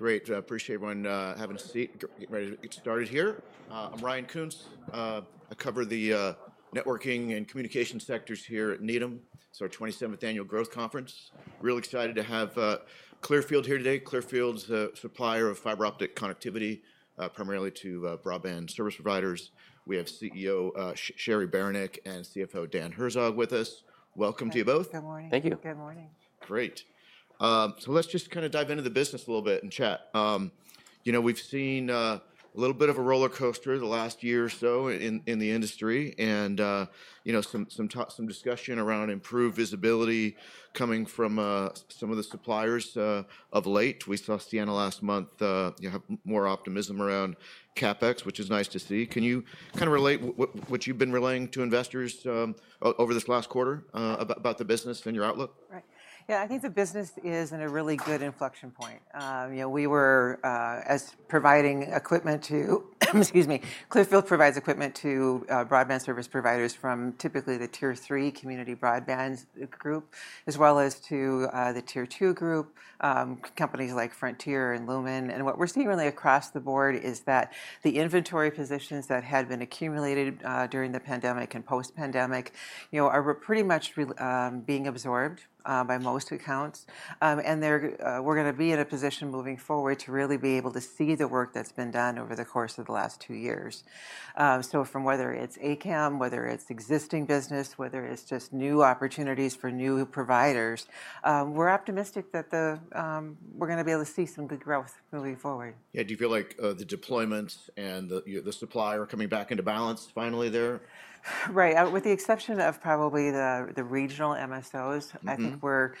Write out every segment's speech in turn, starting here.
Great. Appreciate everyone having a seat. Getting ready to get started here. I'm Ryan Koontz. I cover the networking and communication sectors here at Needham, so our 27th Annual Growth Conference. Really excited to have Clearfield here today. Clearfield's a supplier of fiber optic connectivity, primarily to broadband service providers. We have CEO Cheri Beranek and CFO Dan Herzog with us. Welcome to you both. Good morning. Thank you. Good morning. Great. So let's just kind of dive into the business a little bit and chat. You know, we've seen a little bit of a roller coaster the last year or so in the industry and, you know, some discussion around improved visibility coming from some of the suppliers of late. We saw Ciena last month have more optimism around CapEx, which is nice to see. Can you kind of relate what you've been relaying to investors over this last quarter about the business and your outlook? Right. Yeah, I think the business is in a really good inflection point. You know, we were, as providing equipment to, excuse me, Clearfield provides equipment to broadband service providers from typically the Tier 3 community broadband group, as well as to the Tier 2 group, companies like Frontier and Lumen. And what we're seeing really across the board is that the inventory positions that had been accumulated during the pandemic and post-pandemic, you know, are pretty much being absorbed by most accounts. And we're going to be in a position moving forward to really be able to see the work that's been done over the course of the last two years. So from whether it's ACAM, whether it's existing business, whether it's just new opportunities for new providers, we're optimistic that we're going to be able to see some good growth moving forward. Yeah. Do you feel like the deployment and the supply are coming back into balance finally there? Right. With the exception of probably the regional MSOs, I think we're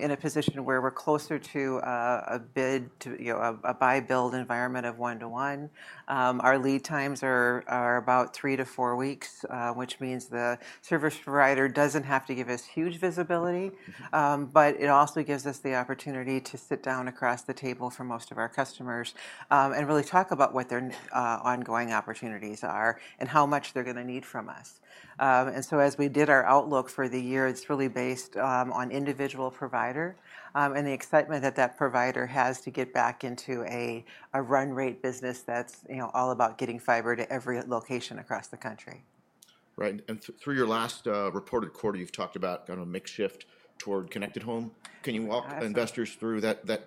in a position where we're closer to a bid, you know, a buy-build environment of one-to-one. Our lead times are about three to four weeks, which means the service provider doesn't have to give us huge visibility, but it also gives us the opportunity to sit down across the table for most of our customers and really talk about what their ongoing opportunities are and how much they're going to need from us. And so as we did our outlook for the year, it's really based on individual provider and the excitement that that provider has to get back into a run rate business that's, you know, all about getting fiber to every location across the country. Right, and through your last reported quarter, you've talked about kind of a mix a toward connected home. Can you walk investors through that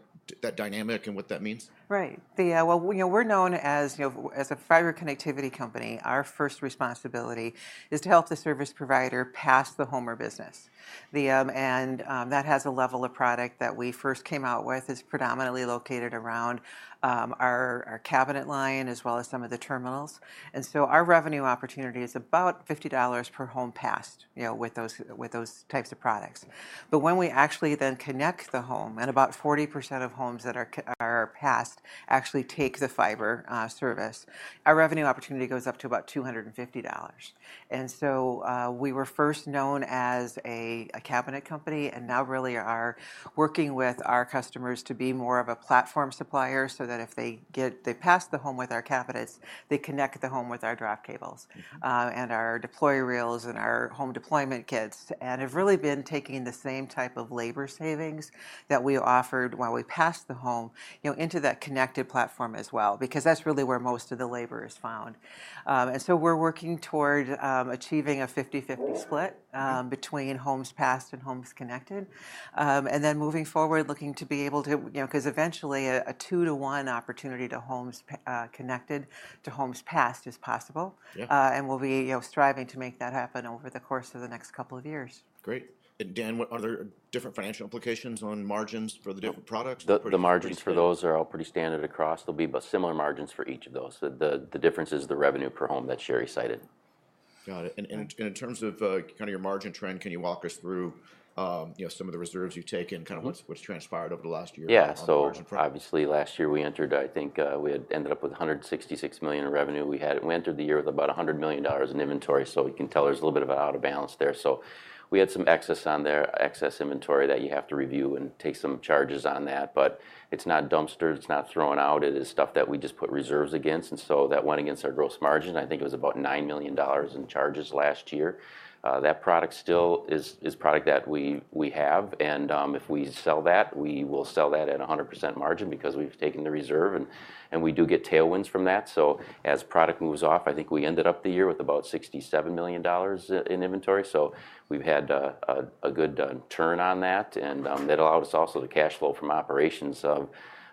dynamic and what that means? Right. Yeah. Well, you know, we're known as, you know, as a fiber connectivity company, our first responsibility is to help the service provider pass the home or business. And that has a level of product that we first came out with is predominantly located around our cabinet line, as well as some of the terminals. And so our revenue opportunity is about $50 per home passed, you know, with those types of products. But when we actually then connect the home, and about 40% of homes that are passed actually take the fiber service, our revenue opportunity goes up to about $250. And so we were first known as a cabinet company and now really are working with our customers to be more of a platform supplier so that if they pass the home with our cabinets, they connect the home with our drop cables and our deployment reels and our home deployment kits, and have really been taking the same type of labor savings that we offered while we passed the home, you know, into that connected platform as well, because that's really where most of the labor is found. So we're working toward achieving a 50/50 split between homes passed and homes connected, and then moving forward, looking to be able to, you know, because eventually a two-to-one opportunity to homes connected to homes passed is possible, and we'll be, you know, striving to make that happen over the course of the next couple of years. Great. And, Dan, are there different financial implications on margins for the different products? The margins for those are all pretty standard across. There'll be similar margins for each of those. The difference is the revenue per home that Cheri cited. Got it. And in terms of kind of your margin trend, can you walk us through, you know, some of the reserves you've taken, kind of what's transpired over the last year? Yeah. So obviously last year we entered. I think we ended up with $166 million in revenue. We entered the year with about $100 million in inventory. So you can tell there's a little bit of an out of balance there. So we had some excess on there, excess inventory that you have to review and take some charges on that. But it's not dumpsters, it's not thrown out. It is stuff that we just put reserves against. And so that went against our gross margin. I think it was about $9 million in charges last year. That product still is product that we have. And if we sell that, we will sell that at 100% margin because we've taken the reserve and we do get tailwinds from that. So as product moves off, I think we ended up the year with about $67 million in inventory. So we've had a good turn on that. And that allowed us also to cash flow from operations of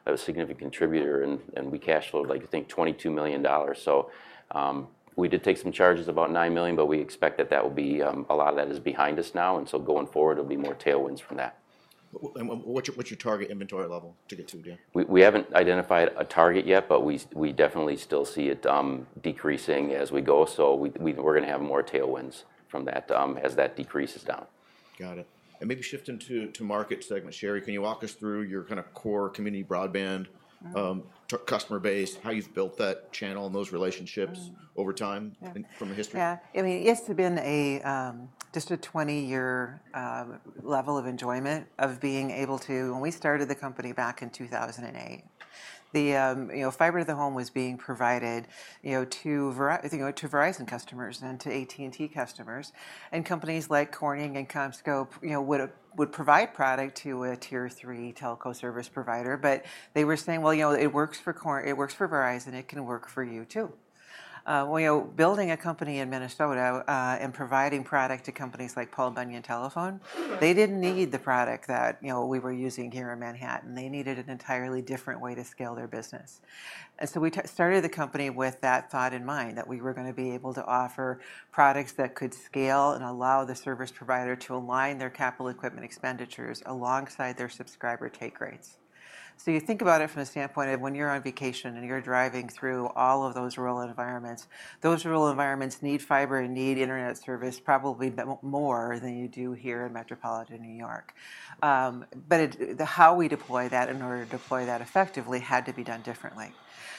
a significant contributor. And we cash flowed, like, I think, $22 million. So we did take some charges of about $9 million, but we expect that that will be a lot of that is behind us now. And so going forward, it'll be more tailwinds from that. What's your target inventory level to get to, Dan? We haven't identified a target yet, but we definitely still see it decreasing as we go. So we're going to have more tailwinds from that as that decreases down. Got it. And maybe shifting to market segment, Cheri, can you walk us through your kind of core community broadband customer base, how you've built that channel and those relationships over time from a history? Yeah. I mean, it's been just a 20-year level of enjoyment of being able to, when we started the company back in 2008, the, you know, fiber to the home was being provided, you know, to Verizon customers and to AT&T customers. And companies like Corning and CommScope, you know, would provide product to a Tier 3 telco service provider. But they were saying, well, you know, it works for Verizon, it can work for you too. Well, you know, building a company in Minnesota and providing product to companies like Paul Bunyan Telephone, they didn't need the product that, you know, we were using here in Manhattan. They needed an entirely different way to scale their business. And so we started the company with that thought in mind that we were going to be able to offer products that could scale and allow the service provider to align their capital equipment expenditures alongside their subscriber take rates. So you think about it from the standpoint of when you're on vacation and you're driving through all of those rural environments. Those rural environments need fiber and need internet service probably more than you do here in metropolitan New York. But how we deploy that in order to deploy that effectively had to be done differently.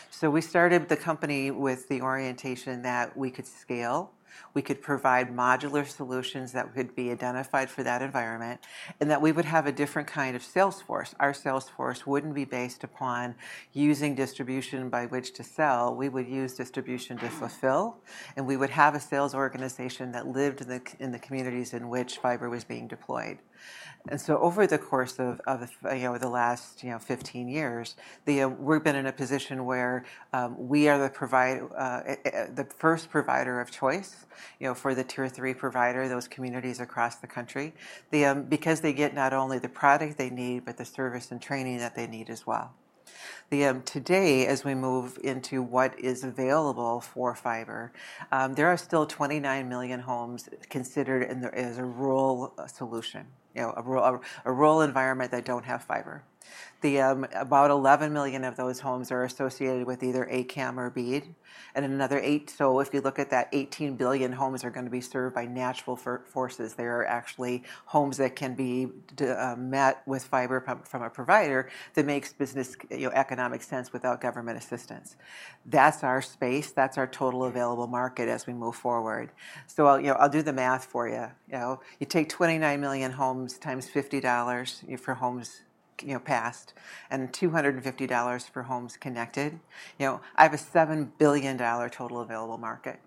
So we started the company with the orientation that we could scale, we could provide modular solutions that could be identified for that environment, and that we would have a different kind of sales force. Our sales force wouldn't be based upon using distribution by which to sell. We would use distribution to fulfill, and we would have a sales organization that lived in the communities in which fiber was being deployed. And so over the course of, you know, the last, you know, 15 years, we've been in a position where we are the first provider of choice, you know, for the Tier 3 provider, those communities across the country, because they get not only the product they need, but the service and training that they need as well. Today, as we move into what is available for fiber, there are still 29 million homes considered as a rural solution, you know, a rural environment that don't have fiber. About 11 million of those homes are associated with either ACAM or BEAD, and another eight. So if you look at that, 18 million homes are going to be served by natural forces. There are actually homes that can be met with fiber from a provider that makes business, you know, economic sense without government assistance. That's our space. That's our total available market as we move forward. So I'll do the math for you. You know, you take 29 million homes times $50 for homes, you know, passed and $250 for homes connected. You know, I have a $7 billion total available market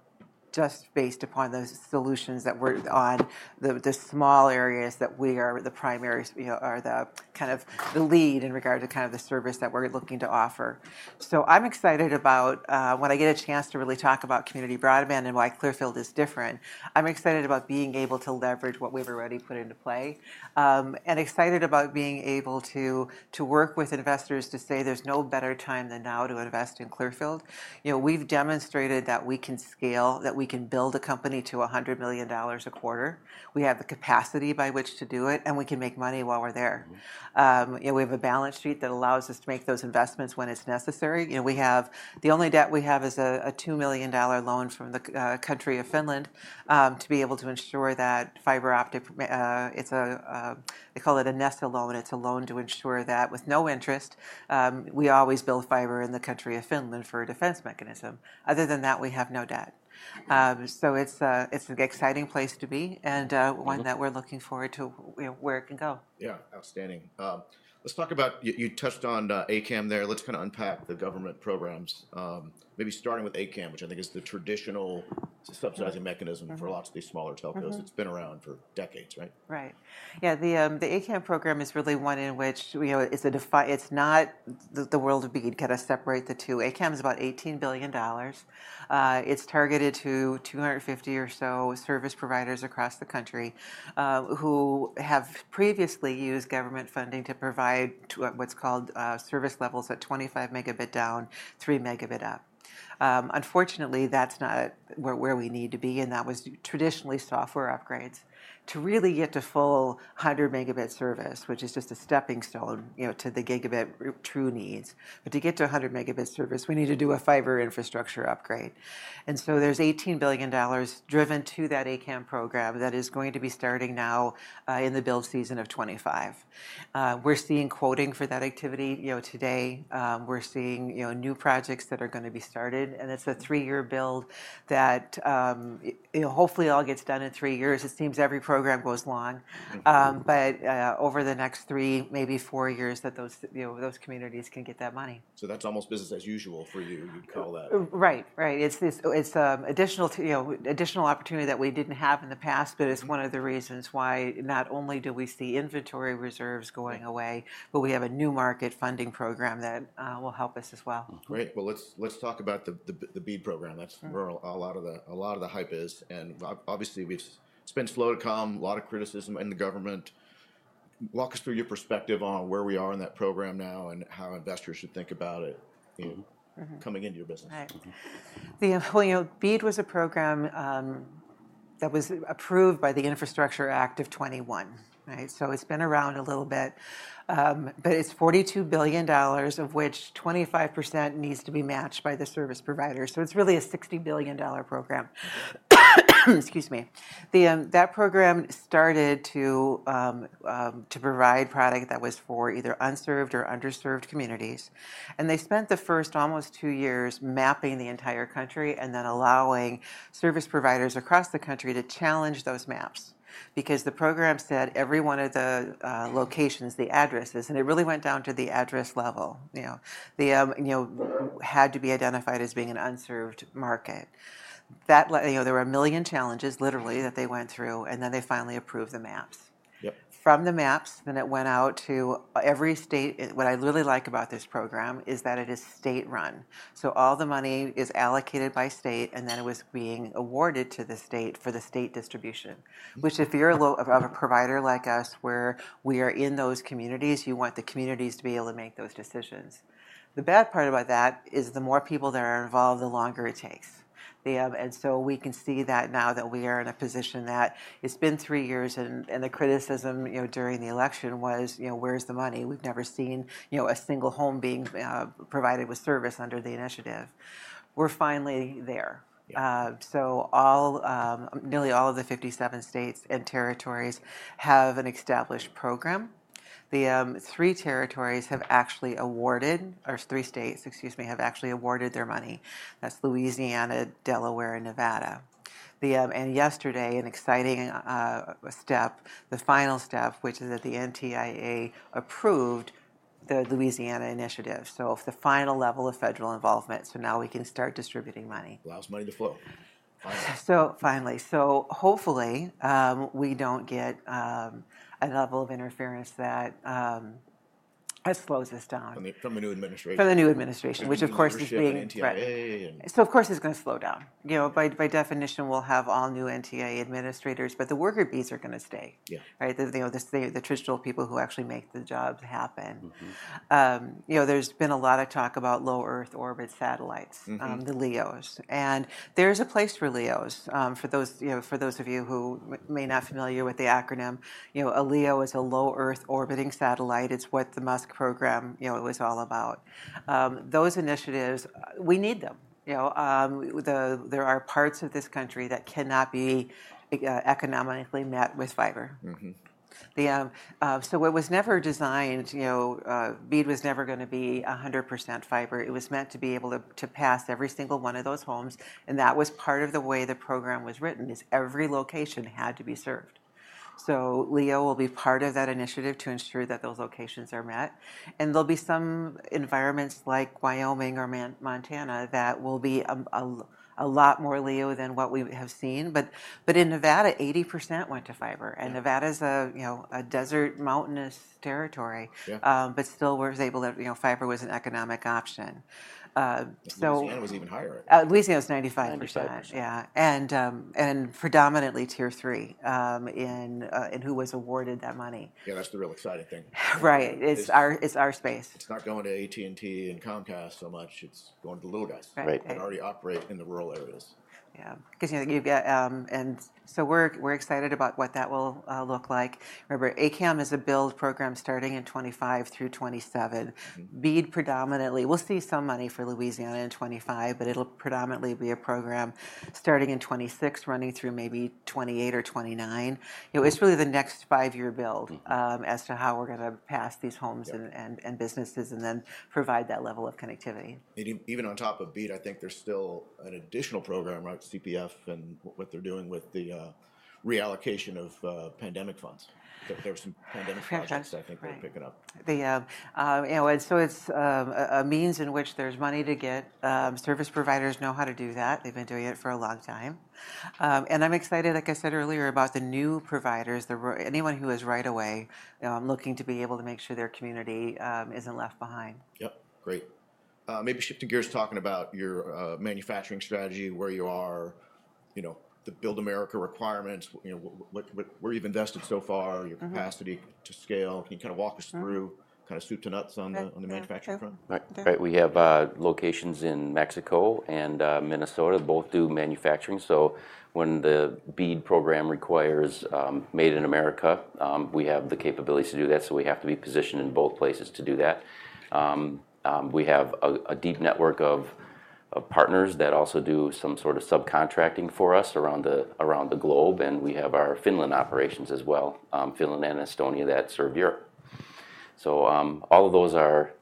just based upon those solutions that we're on, the small areas that we are the primary, you know, are the kind of the lead in regard to kind of the service that we're looking to offer. So, I'm excited about when I get a chance to really talk about community broadband and why Clearfield is different. I'm excited about being able to leverage what we've already put into play and excited about being able to work with investors to say there's no better time than now to invest in Clearfield. You know, we've demonstrated that we can scale, that we can build a company to $100 million a quarter. We have the capacity by which to do it, and we can make money while we're there. You know, we have a balance sheet that allows us to make those investments when it's necessary. You know, we have the only debt we have is a $2 million loan from the country of Finland to be able to ensure that fiber optic, it's a, they call it a NESA loan. It's a loan to ensure that, with no interest, we always build fiber in the country of Finland for a defense mechanism. Other than that, we have no debt, so it's an exciting place to be and one that we're looking forward to where it can go. Yeah. Outstanding. Let's talk about, you touched on ACAM there. Let's kind of unpack the government programs. Maybe starting with ACAM, which I think is the traditional subsidizing mechanism for lots of these smaller telcos. It's been around for decades, right? Right. Yeah. The ACAM program is really one in which, you know, it's not the world of BEAD, kind of separate the two. ACAM is about $18 billion. It's targeted to 250 or so service providers across the country who have previously used government funding to provide what's called service levels at 25 Mb down, 3 Mb up. Unfortunately, that's not where we need to be, and that was traditionally software upgrades to really get to full 100 Mb service, which is just a stepping stone, you know, to the gigabit true needs. But to get to 100 Mb service, we need to do a fiber infrastructure upgrade, and so there's $18 billion driven to that ACAM program that is going to be starting now in the build season of 2025. We're seeing quoting for that activity, you know, today. We're seeing, you know, new projects that are going to be started, and it's a three-year build that, you know, hopefully all gets done in three years. It seems every program goes long, but over the next three, maybe four years that those, you know, those communities can get that money. So that's almost business as usual for you, you'd call that. Right. Right. It's additional, you know, additional opportunity that we didn't have in the past, but it's one of the reasons why not only do we see inventory reserves going away, but we have a new market funding program that will help us as well. Great. Well, let's talk about the BEAD program. That's where a lot of the hype is. And obviously we've seen a lot of to-ing and fro-ing, a lot of criticism from the government. Walk us through your perspective on where we are in that program now and how investors should think about it coming into your business. Right. The BEAD was a program that was approved by the Infrastructure Act of 2021, right? So it's been around a little bit, but it's $42 billion, of which 25% needs to be matched by the service provider. So it's really a $60 billion program. Excuse me. That program started to provide product that was for either unserved or underserved communities, and they spent the first almost two years mapping the entire country and then allowing service providers across the country to challenge those maps because the program said every one of the locations, the addresses, and it really went down to the address level, you know, you know, had to be identified as being an unserved market. That, you know, there were a million challenges literally that they went through and then they finally approved the maps. From the maps, then it went out to every state. What I really like about this program is that it is state-run. So all the money is allocated by state and then it was being awarded to the state for the state distribution, which if you're a provider like us where we are in those communities, you want the communities to be able to make those decisions. The bad part about that is the more people that are involved, the longer it takes. And so we can see that now that we are in a position that it's been three years and the criticism, you know, during the election was, you know, where's the money? We've never seen, you know, a single home being provided with service under the initiative. We're finally there. So nearly all of the 57 states and territories have an established program. The three territories have actually awarded, or three states, excuse me, have actually awarded their money. That's Louisiana, Delaware, and Nevada. And yesterday, an exciting step, the final step, which is that the NTIA approved the Louisiana initiative. So the final level of federal involvement. So now we can start distributing money. Allows money to flow. So finally, so hopefully we don't get a level of interference that slows us down. From the new administration. From the new administration, which of course is being. The NTIA. So of course it's going to slow down. You know, by definition, we'll have all new NTIA administrators, but the worker bees are going to stay, right? You know, the traditional people who actually make the jobs happen. You know, there's been a lot of talk about Low Earth Orbit satellites, the LEOs. And there's a place for LEOs. For those of you who may not be familiar with the acronym, you know, a LEO is a low-earth orbiting satellite. It's what the Musk program, you know, it was all about. Those initiatives, we need them. You know, there are parts of this country that cannot be economically met with fiber. So it was never designed, you know, BEAD was never going to be 100% fiber. It was meant to be able to pass every single one of those homes. And that was part of the way the program was written, is every location had to be served. So LEO will be part of that initiative to ensure that those locations are met. And there'll be some environments like Wyoming or Montana that will be a lot more LEO than what we have seen. But in Nevada, 80% went to fiber. And Nevada's a, you know, a desert, mountainous territory, but still was able to, you know, fiber was an economic option. Louisiana was even higher. Louisiana was 95%. Yeah. And predominantly Tier 3 in who was awarded that money. Yeah. That's the real exciting thing. Right. It's our space. It's not going to AT&T and Comcast so much. It's going to the little guys. They already operate in the rural areas. Yeah. Because you've got, and so we're excited about what that will look like. Remember, ACAM is a build program starting in 2025 through 2027. BEAD predominantly, we'll see some money for Louisiana in 2025, but it'll predominantly be a program starting in 2026, running through maybe 2028 or 2029. It's really the next five-year build as to how we're going to pass these homes and businesses and then provide that level of connectivity. Even on top of BEAD, I think there's still an additional program, right? CPF and what they're doing with the reallocation of pandemic funds. There were some pandemic funds I think they're picking up. Correct. You know, so it's a means in which there's money to get. Service providers know how to do that. They've been doing it for a long time. And I'm excited, like I said earlier, about the new providers, anyone who is right away looking to be able to make sure their community isn't left behind. Yep. Great. Maybe shifting gears, talking about your manufacturing strategy, where you are, you know, the Build America requirements, you know, where you've invested so far, your capacity to scale. Can you kind of walk us through kind of soup to nuts on the manufacturing front? Sure. Right. We have locations in Mexico and Minnesota. Both do manufacturing. So when the BEAD program requires Made in America, we have the capabilities to do that, so we have to be positioned in both places to do that. We have a deep network of partners that also do some sort of subcontracting for us around the globe. And we have our Finland operations as well, Finland and Estonia that serve Europe. So all of those are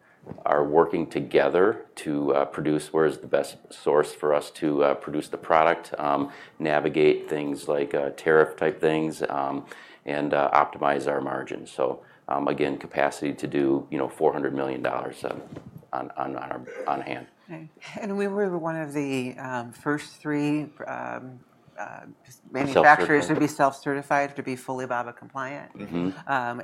working together to produce where's the best source for us to produce the product, navigate things like tariff type things, and optimize our margins, so again, capacity to do, you know, $400 million on hand. We were one of the first three manufacturers to be self-certified to be fully BABA compliant.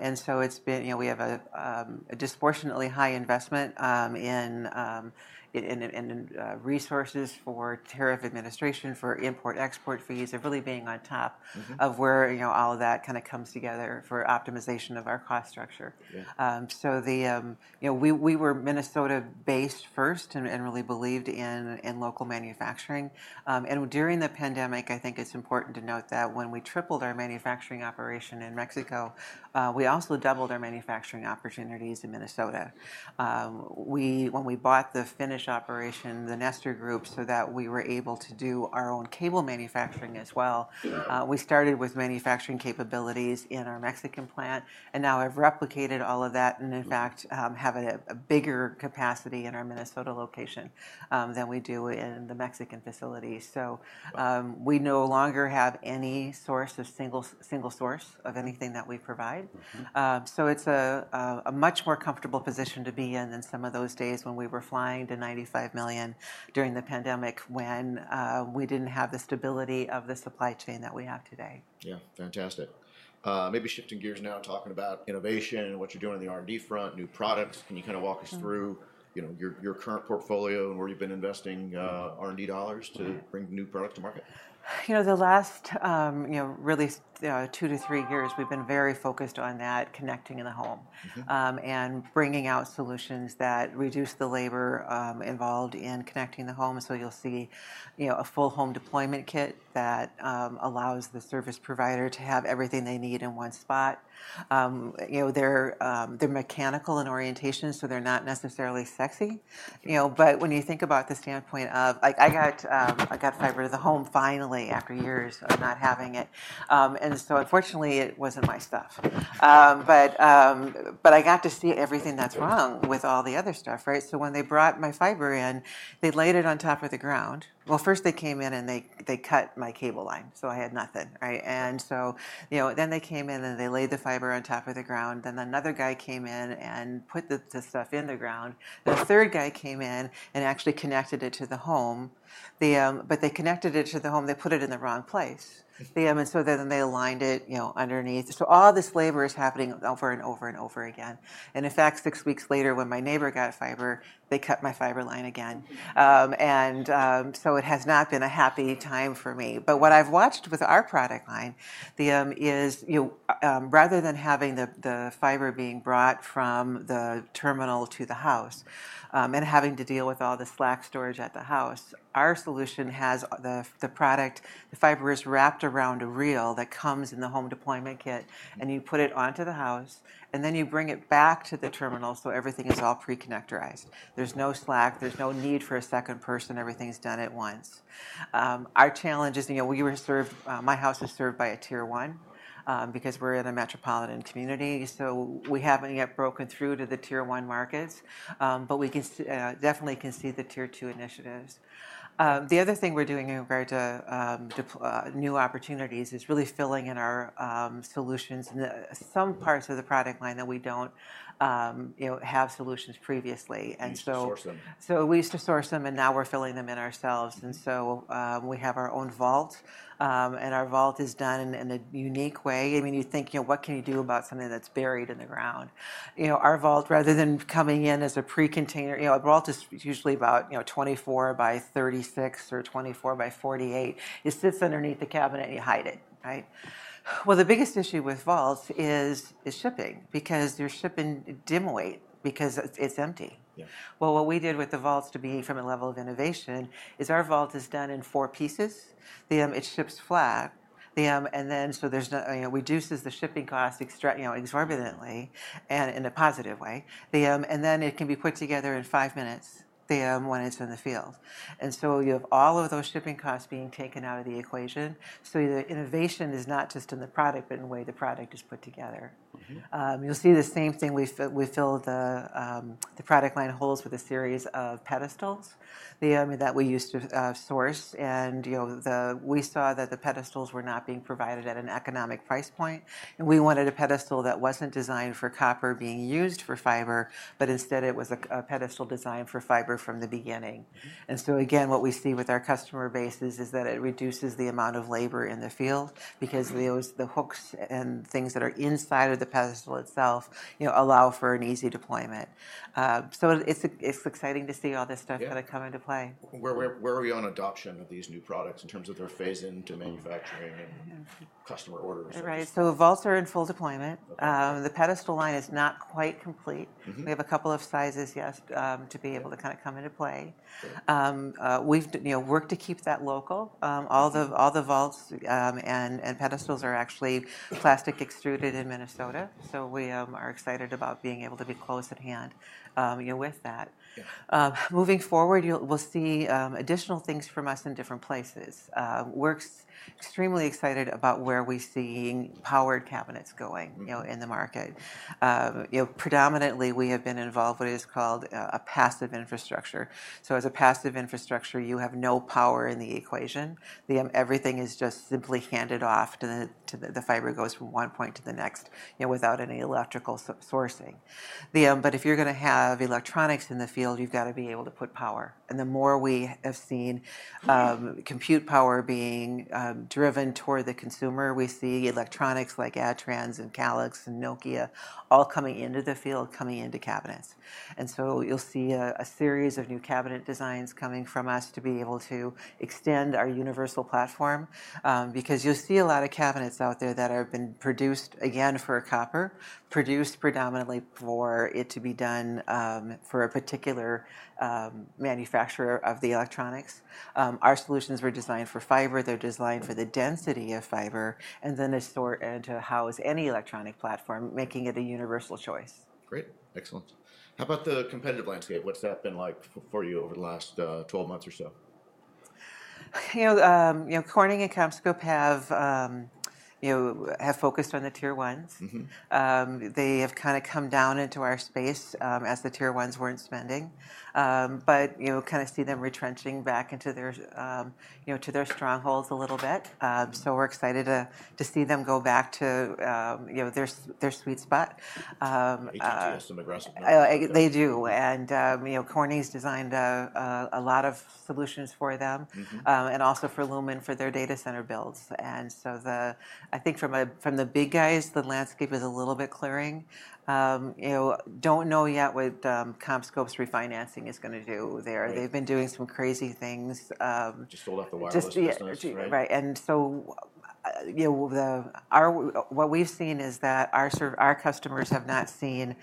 It's been, you know, we have a disproportionately high investment in resources for tariff administration for import-export fees and really being on top of where, you know, all of that kind of comes together for optimization of our cost structure. The, you know, we were Minnesota-based first and really believed in local manufacturing. During the pandemic, I think it's important to note that when we tripled our manufacturing operation in Mexico, we also doubled our manufacturing opportunities in Minnesota. When we bought the Finnish operation, the Nestor Group, so that we were able to do our own cable manufacturing as well, we started with manufacturing capabilities in our Mexican plant. And now I've replicated all of that and in fact have a bigger capacity in our Minnesota location than we do in the Mexican facility. So we no longer have any single source of anything that we provide. So it's a much more comfortable position to be in than some of those days when we were flying to $95 million during the pandemic when we didn't have the stability of the supply chain that we have today. Yeah. Fantastic. Maybe shifting gears now, talking about innovation and what you're doing on the R&D front, new products. Can you kind of walk us through, you know, your current portfolio and where you've been investing R&D dollars to bring new products to market? You know, the last, you know, really two to three years, we've been very focused on that connecting in the home and bringing out solutions that reduce the labor involved in connecting the home. So you'll see, you know, a full home deployment kit that allows the service provider to have everything they need in one spot. You know, they're mechanical in orientation, so they're not necessarily sexy, you know, but when you think about the standpoint of, like, I got fiber to the home finally after years of not having it, and so unfortunately, it wasn't my stuff, but I got to see everything that's wrong with all the other stuff, right, so when they brought my fiber in, they laid it on top of the ground, well, first they came in and they cut my cable line, so I had nothing, right? And so, you know, then they came in and they laid the fiber on top of the ground. Then another guy came in and put the stuff in the ground. Then a third guy came in and actually connected it to the home. But they connected it to the home. They put it in the wrong place. And so then they aligned it, you know, underneath. So all this labor is happening over and over and over again. And in fact, six weeks later when my neighbor got fiber, they cut my fiber line again. And so it has not been a happy time for me. But what I've watched with our product line is, you know, rather than having the fiber being brought from the terminal to the house and having to deal with all the slack storage at the house, our solution has the product. The fiber is wrapped around a reel that comes in the home deployment kit and you put it onto the house and then you bring it back to the terminal so everything is all pre-connectorized. There's no slack, there's no need for a second person, everything's done at once. Our challenge is, you know, we were served, my house is served by a Tier 1 because we're in a metropolitan community. We haven't yet broken through to the Tier 1 markets, but we can definitely succeed in the Tier 2 initiatives. The other thing we're doing in regard to new opportunities is really filling in our solutions in some parts of the product line that we don't, you know, have solutions previously, and so. You source them. We used to source them and now we're filling them in ourselves. We have our own vault and our vault is done in a unique way. I mean, you think, you know, what can you do about something that's buried in the ground? You know, our vault, rather than coming in as a pre-container, you know, a vault is usually about, you know, 24x36 or 24x48. It sits underneath the cabinet, and you hide it, right? The biggest issue with vaults is shipping because they're shipping dim weight because it's empty. What we did with the vaults to be from a level of innovation is our vault is done in four pieces. It ships flat. Then so there's, you know, reduces the shipping costs, you know, exorbitantly and in a positive way. Then it can be put together in five minutes when it's in the field. You have all of those shipping costs being taken out of the equation. The innovation is not just in the product, but in the way the product is put together. You'll see the same thing. We fill the product line holes with a series of pedestals that we used to source. You know, we saw that the pedestals were not being provided at an economic price point. We wanted a pedestal that wasn't designed for copper being used for fiber, but instead it was a pedestal designed for fiber from the beginning. What we see with our customer bases is that it reduces the amount of labor in the field because the hooks and things that are inside of the pedestal itself, you know, allow for an easy deployment. It's exciting to see all this stuff kind of come into play. Where are we on adoption of these new products in terms of their phase into manufacturing and customer orders? Right. So vaults are in full deployment. The pedestal line is not quite complete. We have a couple of sizes, yes, to be able to kind of come into play. We've, you know, worked to keep that local. All the vaults and pedestals are actually plastic extruded in Minnesota. So we are excited about being able to be close at hand, you know, with that. Moving forward, we'll see additional things from us in different places. We're extremely excited about where we see powered cabinets going, you know, in the market. You know, predominantly we have been involved with what is called a passive infrastructure. So as a passive infrastructure, you have no power in the equation. Everything is just simply handed off to the fiber, goes from one point to the next, you know, without any electrical sourcing. But if you're going to have electronics in the field, you've got to be able to put power. And the more we have seen compute power being driven toward the consumer, we see electronics like Adtran and Calix and Nokia all coming into the field, coming into cabinets. And so you'll see a series of new cabinet designs coming from us to be able to extend our universal platform because you'll see a lot of cabinets out there that have been produced again for copper, produced predominantly for it to be done for a particular manufacturer of the electronics. Our solutions were designed for fiber. They're designed for the density of fiber and then to house any electronic platform, making it a universal choice. Great. Excellent. How about the competitive landscape? What's that been like for you over the last 12 months or so? You know, Corning and CommScope have, you know, have focused on the Tier 1s. They have kind of come down into our space as the Tier 1s weren't spending. But, you know, kind of see them retrenching back into, you know, to their strongholds a little bit. So we're excited to see them go back to, you know, their sweet spot. They tend to have some aggressive moves. They do. And, you know, Corning's designed a lot of solutions for them and also for Lumen for their data center builds. And so I think from the big guys, the landscape is a little bit clearing. You know, don't know yet what CommScope's refinancing is going to do there. They've been doing some crazy things. Just sold out the wireless. Right. And so, you know, what we've seen is that our customers have not seen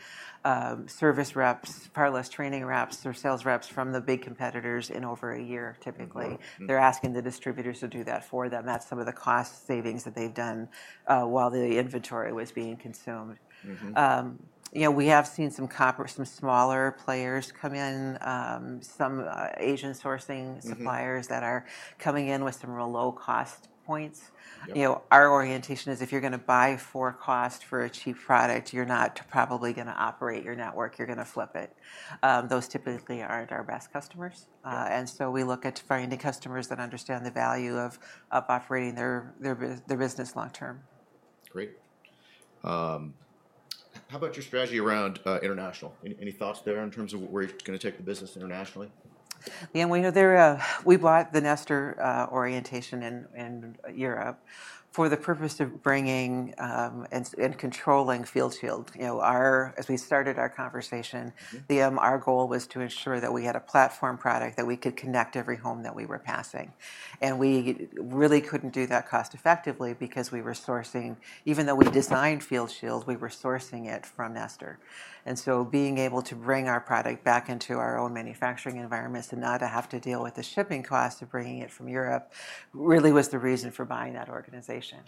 service reps, parallel training reps, or sales reps from the big competitors in over a year typically. They're asking the distributors to do that for them. That's some of the cost savings that they've done while the inventory was being consumed. You know, we have seen some smaller players come in, some Asian sourcing suppliers that are coming in with some real low cost points. You know, our orientation is if you're going to buy for cost for a cheap product, you're not probably going to operate your network, you're going to flip it. Those typically aren't our best customers. And so we look at finding customers that understand the value of operating their business long term. Great. How about your strategy around international? Any thoughts there in terms of where you're going to take the business internationally? Yeah, we know we bought the Nestor orientation in Europe for the purpose of bringing and controlling FieldShield. You know, as we started our conversation, our goal was to ensure that we had a platform product that we could connect every home that we were passing. And we really couldn't do that cost effectively because we were sourcing, even though we designed FieldShield, we were sourcing it from Nestor. And so being able to bring our product back into our own manufacturing environments and not to have to deal with the shipping cost of bringing it from Europe really was the reason for buying that organization.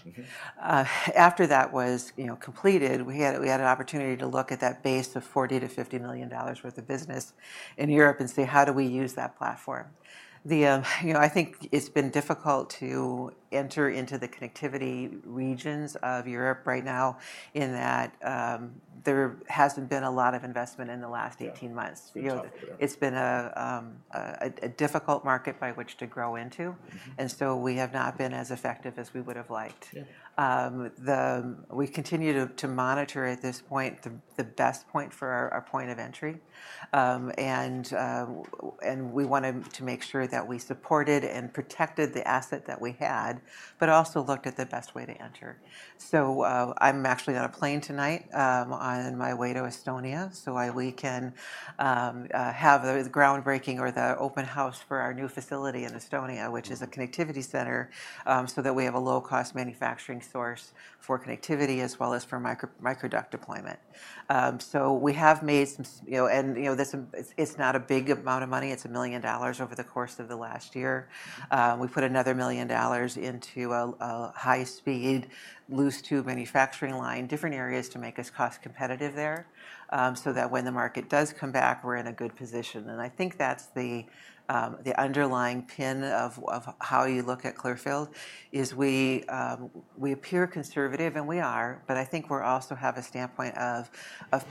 After that was, you know, completed, we had an opportunity to look at that base of $40 million-$50 million worth of business in Europe and see how do we use that platform. You know, I think it's been difficult to enter into the connectivity regions of Europe right now in that there hasn't been a lot of investment in the last 18 months. It's been a difficult market by which to grow into, and so we have not been as effective as we would have liked. We continue to monitor at this point the best point for our point of entry, and we wanted to make sure that we supported and protected the asset that we had, but also looked at the best way to enter, so I'm actually on a plane tonight on my way to Estonia so we can have the groundbreaking or the open house for our new facility in Estonia, which is a connectivity center so that we have a low cost manufacturing source for connectivity as well as for micro duct deployment. So we have made some, you know, and you know, it's not a big amount of money. It's $1 million over the course of the last year. We put another $1 million into a high-speed loose tube manufacturing line, different areas to make us cost competitive there so that when the market does come back, we're in a good position. And I think that's the underlying tenet of how you look at Clearfield is we appear conservative and we are, but I think we also have a standpoint of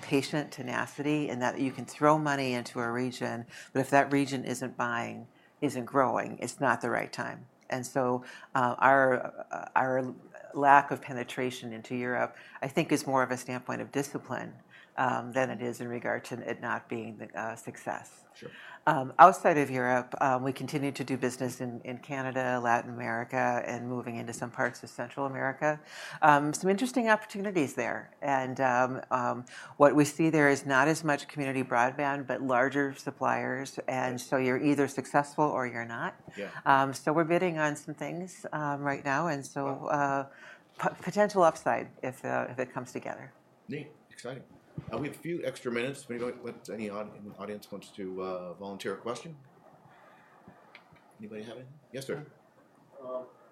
patient tenacity in that you can throw money into a region, but if that region isn't buying, isn't growing, it's not the right time. And so our lack of penetration into Europe, I think is more of a standpoint of discipline than it is in regard to it not being the success. Outside of Europe, we continue to do business in Canada, Latin America, and moving into some parts of Central America. Some interesting opportunities there. And what we see there is not as much community broadband, but larger suppliers. And so you're either successful or you're not. So we're bidding on some things right now. And so potential upside if it comes together. Neat. Exciting. We have a few extra minutes. Any audience wants to volunteer a question? Anybody have any? Yes, sir.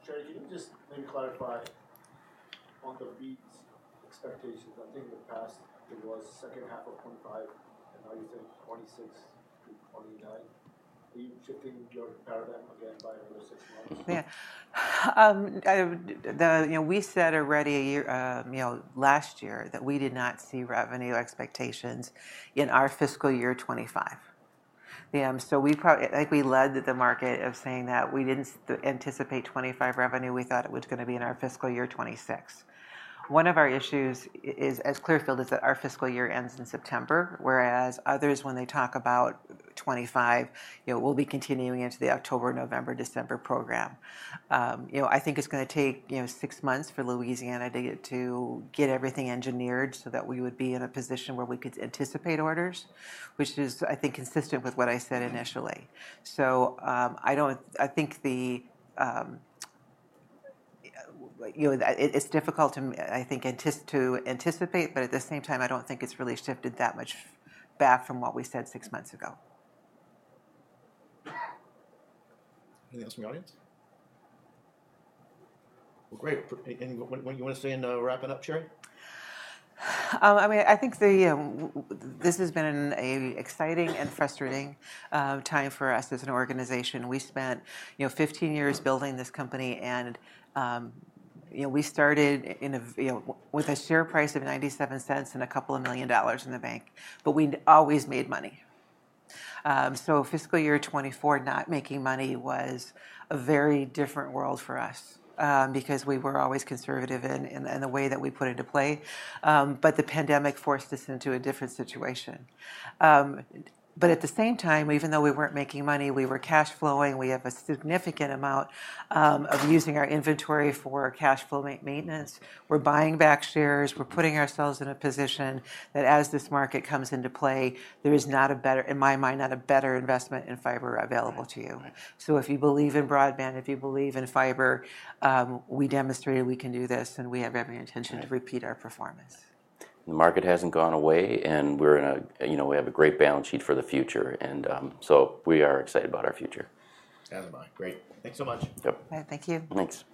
Cheri, can you just maybe clarify on the BEAD expectations? I think in the past it was second half of 2025 and now you're saying 2026 to 2029. Are you shifting your paradigm again by another six months? Yeah. You know, we said already, you know, last year that we did not see revenue expectations in our fiscal year 2025. So we led the market of saying that we didn't anticipate 2025 revenue. We thought it was going to be in our fiscal year 2026. One of our issues as Clearfield is that our fiscal year ends in September, whereas others, when they talk about 2025, you know, we'll be continuing into the October, November, December program. You know, I think it's going to take, you know, six months for Louisiana to get everything engineered so that we would be in a position where we could anticipate orders, which is, I think, consistent with what I said initially. So, I think the, you know, it's difficult to, I think, anticipate, but at the same time, I don't think it's really shifted that much back from what we said six months ago. Anything else from the audience? Well, great. Anything you want to say in wrapping up, Cheri? I mean, I think this has been an exciting and frustrating time for us as an organization. We spent, you know, 15 years building this company and, you know, we started with a share price of $0.97 and $2 million in the bank, but we always made money. So fiscal year 2024 not making money was a very different world for us because we were always conservative in the way that we put into play. But the pandemic forced us into a different situation. But at the same time, even though we weren't making money, we were cash flowing. We have a significant amount of using our inventory for cash flow maintenance. We're buying back shares. We're putting ourselves in a position that as this market comes into play, there is not a better, in my mind, not a better investment in fiber available to you. So if you believe in broadband, if you believe in fiber, we demonstrated we can do this and we have every intention to repeat our performance. The market hasn't gone away and we're in a, you know, we have a great balance sheet for the future. And so we are excited about our future. As am I. Great. Thanks so much. Thank you. Thanks.